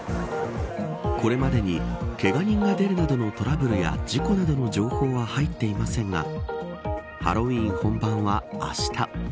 これまでにけが人が出るなどのトラブルや事故などの情報は入っていませんがハロウィーン本番は、あした。